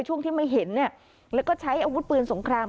ช่วงที่ไม่เห็นเนี่ยแล้วก็ใช้อาวุธปืนสงคราม